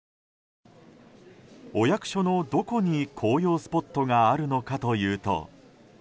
お役所のどこに紅葉スポットがあるのかというと。